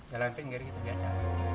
jalan pinggir gitu biasa